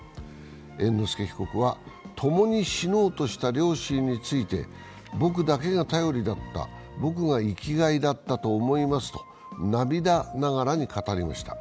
猿之助被告は、ともに死のうとした両親について僕だけが頼りだった、僕が生きがいだったと思いますと、涙ながらに語りました。